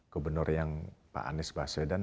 gubernur yang pak anies baswedan